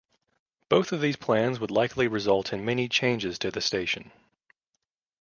Both of these plans would likely result in many changes to the station.